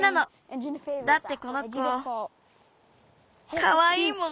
だってこの子かわいいもん。